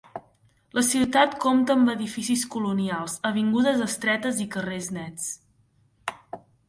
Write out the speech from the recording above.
La ciutat compta amb edificis colonials, avingudes estretes i carrers nets.